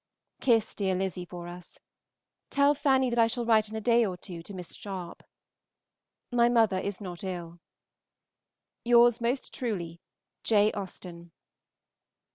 Kiss dear Lizzy for us. Tell Fanny that I shall write in a day or two to Miss Sharpe. My mother is not ill. Yours most truly, J. AUSTEN.